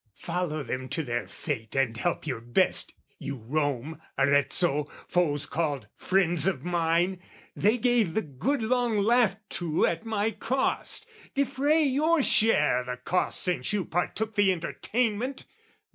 Follow them to their fate and help your best, You Rome, Arezzo, foes called friends of mine, They gave the good long laugh to at my cost! Defray your share o' the cost since you partook The entertainment!